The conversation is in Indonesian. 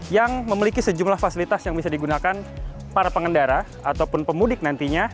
yang memiliki sejumlah fasilitas yang bisa digunakan para pengendara ataupun pemudik nantinya